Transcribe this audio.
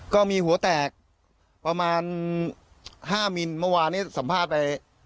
ก็มีหัวแตกประมาณ๕มิลเมื่อวานนี้สัมภาษณ์ไป